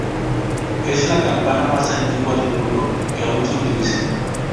Es la campana más antigua del mundo que aún se utiliza.